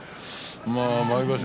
毎場所